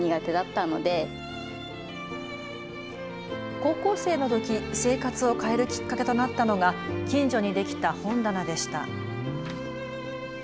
高校生のとき、生活を変えるきっかけとなったのが近所にできた本棚でした。